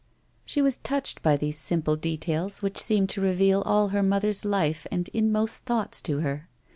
159 She was touched by these simple details which seemed to reveal all her mother's life and inmost thoughts to her.